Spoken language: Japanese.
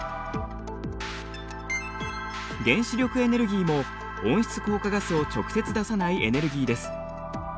原子力エネルギーも温室効果ガスを直接出さないエネルギーです。